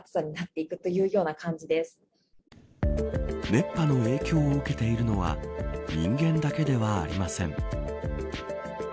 熱波の影響を受けているのは人間だけではありません。